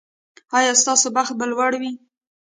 ایا ستاسو بخت به لوړ وي؟